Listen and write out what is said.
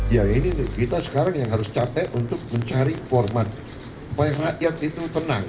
ya ini kita sekarang yang harus capek untuk mencari format supaya rakyat itu tenang